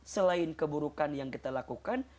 selain keburukan yang kita lakukan